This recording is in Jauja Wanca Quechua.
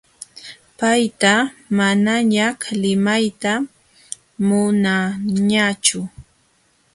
Payta manañaq limapayta munaañachu.